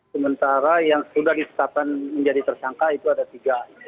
sementara yang sudah ditetapkan menjadi tersangka itu ada tiga